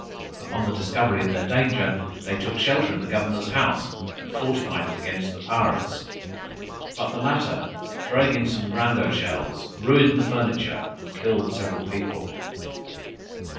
Upon the discovery of their danger, they took shelter in the governor's house, and fortified it against the pirates: but the latter throwing in some grando shells, ruined the furniture, and killed several people.